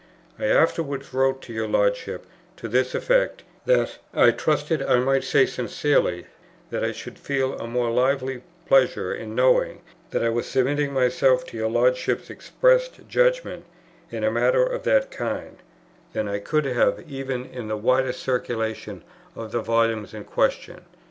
I afterwards wrote to your Lordship to this effect, that 'I trusted I might say sincerely, that I should feel a more lively pleasure in knowing that I was submitting myself to your Lordship's expressed judgment in a matter of that kind, than I could have even in the widest circulation of the volumes in question.'